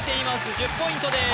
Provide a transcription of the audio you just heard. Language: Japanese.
１０ポイントです